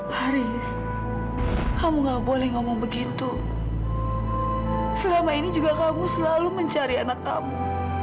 laris kamu gak boleh ngomong begitu selama ini juga kamu selalu mencari anak kamu